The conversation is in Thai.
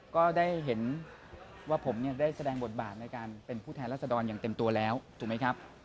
ก็ได้เห็นว่าผมได้แสดงบทบาทในการเป็นผู้แทนรัศดรอย่างเต็มตัวแล้วถูกไหมครับ